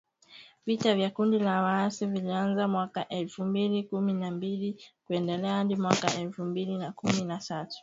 Vita vya kundi la waasi vilianza mwaka elfu mbili na kumi na mbili na kuendelea hadi mwaka elfu mbili na kumi na tatu .